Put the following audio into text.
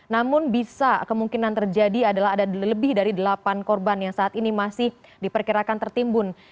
namun bisa kemungkinan terjadi adalah ada lebih dari delapan korban yang saat ini masih diperkirakan tertimbun